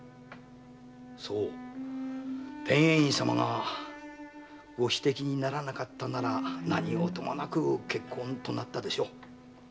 そう天英院様がご指摘にならなかったなら何ごともなく結婚となったでしょう。